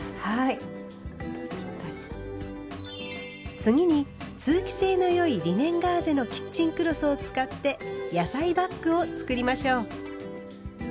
次に通気性の良いリネンガーゼのキッチンクロスを使って「野菜バッグ」を作りましょう。